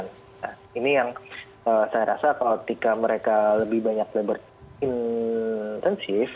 nah ini yang saya rasa kalau ketika mereka lebih banyak labor intensif